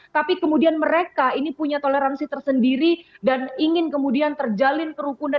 tapi kemudian mereka ini punya toleransi tersendiri dan ingin kemudian terjalin kerukunan